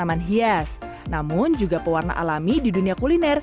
ini baru aku kasih tambahin hot water